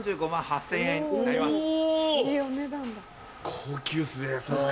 高級っすね。